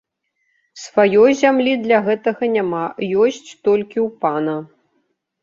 Сваёй зямлі для гэтага няма, ёсць толькі ў пана.